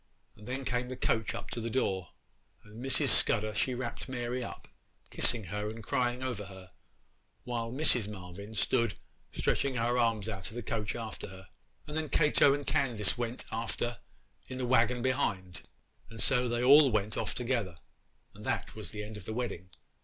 And then the coach came up to the door, and Mrs. Scudder she wrapped Mary up, kissing her and crying over her; while Mrs. Marvyn stood stretching her arms out of the coach after her. 'And then Cato and Candace went after in the waggon behind, and so they all went off together, and that was the end of the wedding.